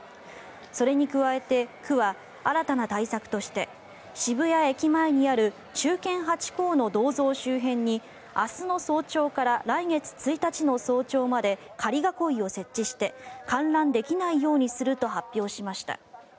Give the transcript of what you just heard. それに加えて、区は新たな対策として渋谷駅前にある忠犬ハチ公の銅像周辺に明日の早朝から来月１日の早朝まで仮囲いを設置して観覧できないようにすると発表しました。